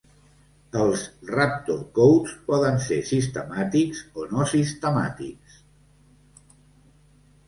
Els 'raptor codes' poden ser sistemàtics o no sistemàtics.